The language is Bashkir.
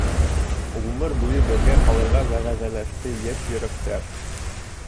Ғүмер буйы бергә ҡалырға вәғәҙәләште йәш йөрәктәр.